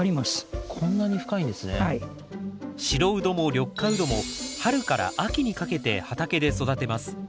白ウドも緑化ウドも春から秋にかけて畑で育てます。